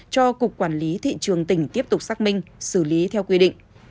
cho cục quản lý thị trường tỉnh tiếp tục xác minh xử lý theo quy định